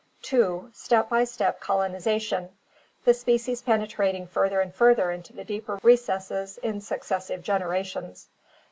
(2) Step by step colonization, the species penetrating further and further into the deeper recesses in successive generations.